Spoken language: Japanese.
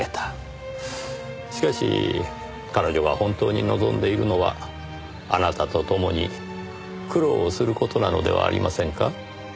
しかし彼女が本当に望んでいるのはあなたとともに苦労をする事なのではありませんか？